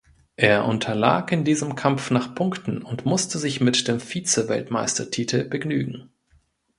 Er unterlag in diesem Kampf nach Punkten und musste sich mit dem Vize-Weltmeistertitel begnügen.